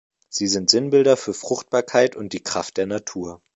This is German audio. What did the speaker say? Sie sind Sinnbilder für Fruchtbarkeit und die Kraft der Natur.